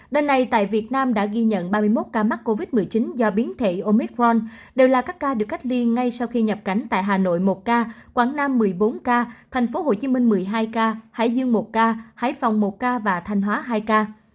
đến nay tại việt nam đã ghi nhận ba mươi một ca mắc covid một mươi chín do biến thể omitron đều là các ca được cách ly ngay sau khi nhập cảnh tại hà nội một ca quảng nam một mươi bốn ca tp hcm một mươi hai ca hải dương một ca hải phòng một ca và thanh hóa hai ca